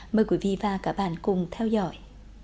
mời quý vị và các bạn cùng theo dõi